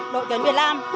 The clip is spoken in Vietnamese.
đội tuyển việt nam